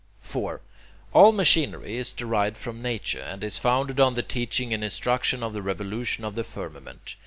4. All machinery is derived from nature, and is founded on the teaching and instruction of the revolution of the firmament.